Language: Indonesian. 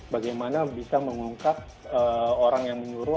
bagaimana bisa mengungkap orang yang menyuruh